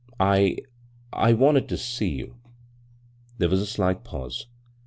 I — I wanted to see you." There was a slight pause.